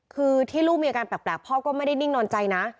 คือที่ลูกมีอาการแปลกพ่อก็ไม่ได้นิ่งนอนใจนะ